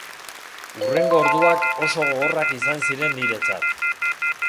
Hurrengo orduak oso gogorrak izan ziren niretzat.